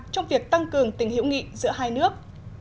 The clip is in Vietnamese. trong việc tăng cường tình hữu nghị giữa hai nước